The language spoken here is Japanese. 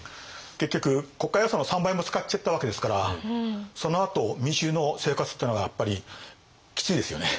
結局国家予算の３倍も使っちゃったわけですからそのあと民衆の生活っていうのがやっぱりきついですよね。